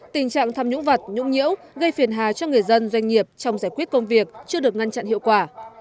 tình trạng tham nhũng vật nhũng nhiễu gây phiền hà cho người dân doanh nghiệp trong giải quyết công việc chưa được ngăn chặn hiệu quả